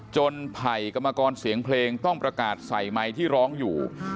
ไผ่กรรมกรเสียงเพลงต้องประกาศใส่ไมค์ที่ร้องอยู่